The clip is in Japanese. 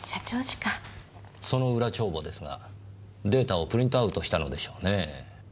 その裏帳簿ですがデータをプリントアウトしたのでしょうねぇ。